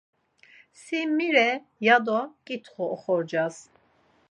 Si mi re ya do ǩitxu oxorcas.